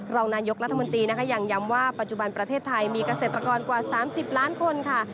รองนายกรัฐมนตรีนะคะยังย้ำว่าปัจจุบันประเทศไทยมีเกษตรกรกว่า๓๐ล้านคนค่ะ